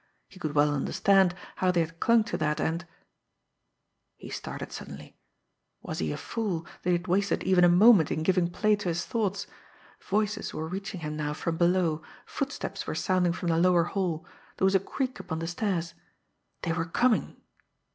He could well understand how they had clung to that, and He started suddenly. Was he a fool, that he had wasted even a moment in giving play to his thoughts! Voices were reaching him now from below, footsteps were sounding from the lower hall, there was a creak upon the stairs. They were coming!